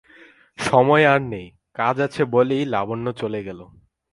সময় আর নেই, কাজ আছে বলেই লাবণ্য চলে গেল।